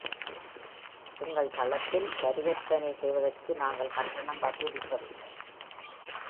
எங்கள் தளத்தில் பரிவர்த்தனை செய்வதற்கு நாங்கள் கட்டணம் வசூலிப்பதில்லை.